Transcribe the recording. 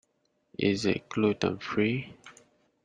Is it gluten-free?